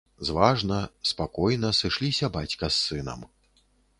Зважна, спакойна сышліся бацька з сынам.